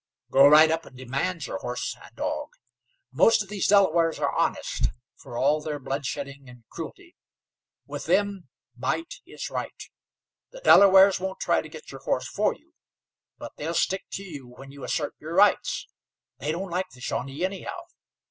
"Go right up and demand your horse and dog. Most of these Delawares are honest, for all their blood shedding and cruelty. With them might is right. The Delawares won't try to get your horse for you; but they'll stick to you when you assert your rights. They don't like the Shawnee, anyhow.